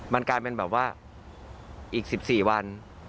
มันกลายเป็นแบบว่าอีก๑๔วัน